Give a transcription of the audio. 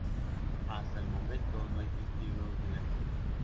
Hasta el momento no hay testigos del accidente.